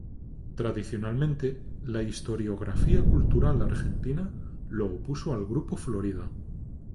Tradicionalmente, la historiografía cultural argentina lo opuso al grupo Florida.